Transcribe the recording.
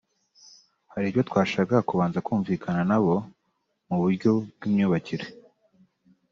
hari ibyo twashakaga kubanza kumvikana na bo mu buryo bw’imyubakire